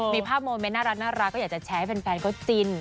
มีภาพโมเมนต์น่ารักก็อยากจะแชร์ให้แฟนเขาจิน